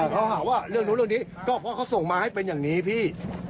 เขาหาว่าเรื่องนู้นเรื่องนี้ก็เพราะเขาส่งมาให้เป็นอย่างนี้พี่